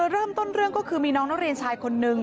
เริ่มต้นเรื่องก็คือมีน้องนักเรียนชายคนนึง